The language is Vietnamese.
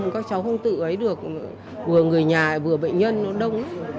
các cháu không tự ấy được vừa người nhà vừa bệnh nhân nó đông lắm